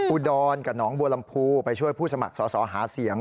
อุดรกับหนองบัวลำพูไปช่วยผู้สมัครสอสอหาเสียง